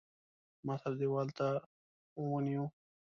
ما سره دېوال ته ونیو.